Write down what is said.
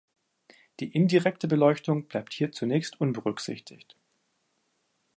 Die indirekte Beleuchtung bleibt hier zunächst unberücksichtigt.